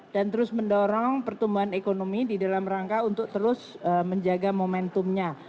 dan terus mendorong pertumbuhan ekonomi di dalam rangka untuk terus menjaga momentumnya